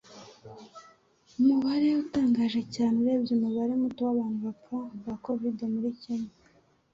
umubare utangaje cyane urebye umubare muto w’abantu bapfa ba covid muri Kenya.